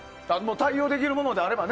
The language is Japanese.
対応できるものであればね。